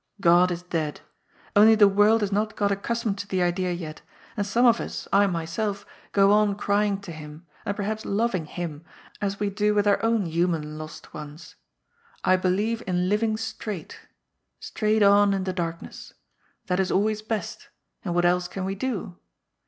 Ood is dead. Only the world has not got accus tomed to the idea yet, and some of us — I myself — ^go on crying to Him, and perhaps loving Him, as we do with our own human lost ones. I believe in living straight. Straight on in the darkness. That is always best, and what else can we do